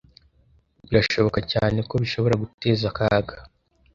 Birashoboka cyane ko bishobora guteza akaga.